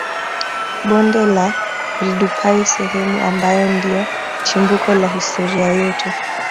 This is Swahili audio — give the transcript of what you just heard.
Bonde la Oldupai sehemu ambayo ndio chimbuko la historia yetu